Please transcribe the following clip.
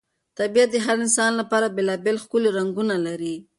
طبیعت د هر انسان لپاره بېلابېل ښکلي رنګونه لري.